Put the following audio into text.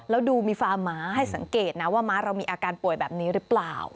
แล้วดูมีฟาร์มม้าให้สังเกตนะว่าม้าเรามีอาการป่วยแบบนี้หรือเปล่า